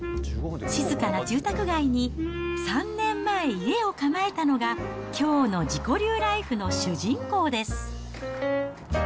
静かな住宅街に、３年前家を構えたのが、きょうの自己流ライフの主人公です。